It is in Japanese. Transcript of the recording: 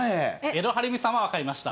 えどはるみさんは分かりました。